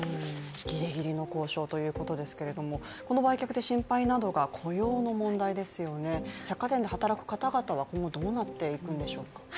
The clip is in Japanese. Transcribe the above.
ギリギリの交渉ということですけれども、この売却で心配なのが雇用の問題ですよね、百貨店で働く方々は今後どうなっていくんでしょうか。